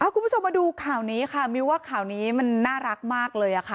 คุณผู้ชมมาดูข่าวนี้ค่ะมิวว่าข่าวนี้มันน่ารักมากเลยค่ะ